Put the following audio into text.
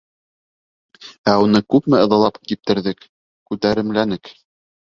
Ә уны күпме ыҙалап киптерҙек, күтәремләнек.